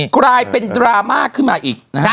กลายเป็นดราม่าขึ้นมาอีกนะฮะ